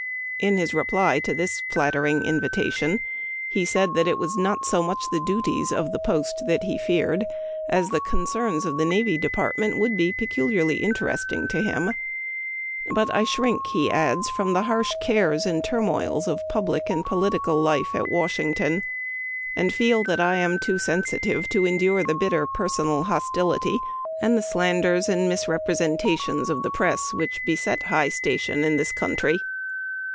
In his reply to this flattering invitation he said that it was not SO much the duties o\ the post that he feared, as the concerns of the Navy Department would be peculiarly interesting to him ;" but I shrink," he adds, " from the harsh cares and turmoils of public and political life at Washington, and feel that I am too sensitive to endure the bitter personal hostility and the slanders and mis representations of the press which beset high station in this country.